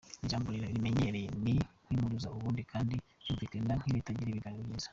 Iri jambo riraremereye ni nk’impuruza ubundi kandi ryumvikana nk’iritagira ibiganiro byiza.